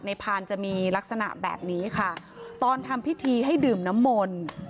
พานจะมีลักษณะแบบนี้ค่ะตอนทำพิธีให้ดื่มน้ำมนต์